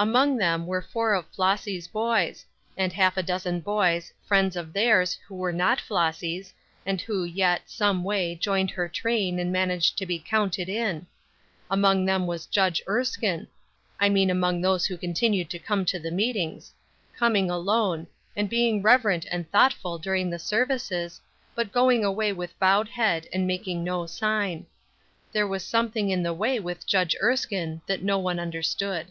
Among them were four of Flossy's boys; and half a dozen boys, friends of theirs, who were not Flossy's, and who yet, someway, joined her train and managed to be "counted in." Among them was Judge Erskine I mean among those who continued to come to the meetings coming alone, and being reverent and thoughtful during the services, but going away with bowed head, and making no sign: there was something in the way with Judge Erskine that no one understood.